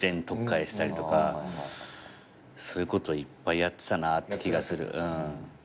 とっかえしたりとかそういうことをいっぱいやってたなって気がする。